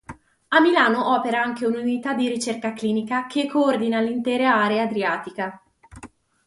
A Milano opera anche un’unità di ricerca clinica che coordina l’intera area Adriatica.